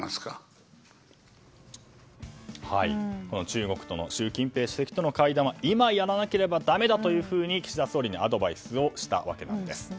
中国、習近平氏との会談は今やらなければだめだと岸田総理にアドバイスをしたわけなんです。